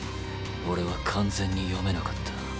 俺は完全に読めなかった。